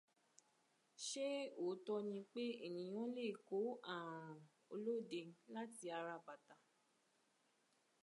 Ṣé òótọ ni pé ènìyàn leè kó ààrùn olóde láti ara bàtà?